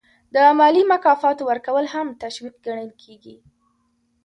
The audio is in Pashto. د مالي مکافاتو ورکول هم تشویق ګڼل کیږي.